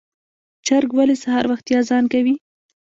چرګ ولې سهار وختي اذان کوي؟